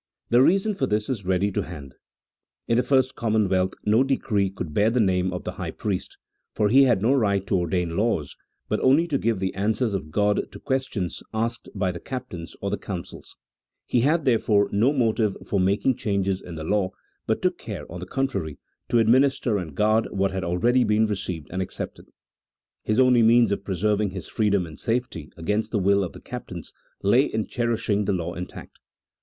The reason for this is ready to hand ; in the first commonwealth no decrees could bear the name of the high priest, for he had no right to ordain laws, but only to give the answers of God to ques tions asked by the captains or the councils : he had, there fore, no motive for making changes in the law, but took care, on the contrary, to administer and guard what had already been received and accepted. His only means of preserving his freedom in safety against the will of the captains lay in cherishing the law intact.